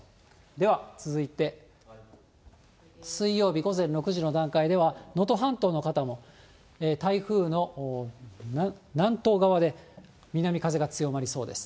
では、続いて、水曜日午前６時の段階では、能登半島の方も、台風の南東側で南風が強まりそうです。